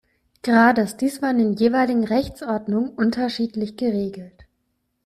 Grades, dies war in jeweiligen Rechtsordnungen unterschiedlich geregelt.